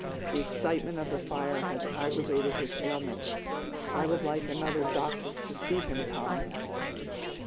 "The excitement of the fire has aggravated his ailment. I would like another doctor to see him, Tom."